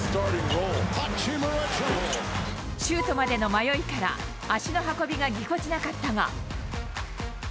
シュートまでの迷いから足の運びがぎこちなかったが。